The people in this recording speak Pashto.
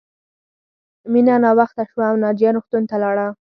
مینه ناوخته شوه او ناجیه روغتون ته لاړه